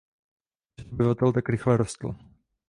Počet obyvatel tak rychle rostl.